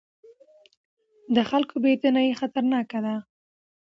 د خلکو بې اعتنايي خطرناکه ده